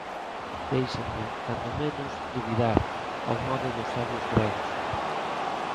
Déixenme, cando menos, dubidar; ao modo dos sabios gregos.